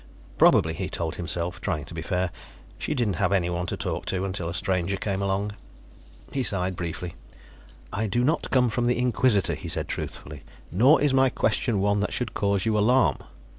Probably, he told himself, trying to be fair, she didn't have anyone to talk to, until a stranger came along. He sighed briefly. "I do not come from the Inquisitor," he said truthfully, "nor is my question one that should cause you alarm."